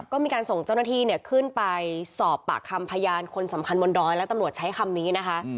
ก็มีการส่งเจ้าหน้าที่ขึ้นไปสอบปากคำพยานคนสำคัญบนดอยแล้วตำรวจใช้คำนี้นะคะ